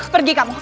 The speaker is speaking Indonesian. pergi kamu pergi